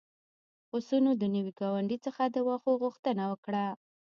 پسونو د نوي ګاونډي څخه د واښو غوښتنه وکړه.